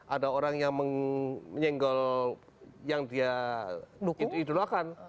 ada orang yang menyenggol yang dia idolakan